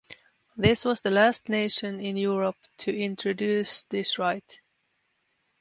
This was the last nation in Europe to introduced this right.